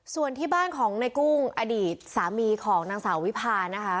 ส่วนที่บ้านของในกุ้งอดีตสามีของนางสาววิพานะคะ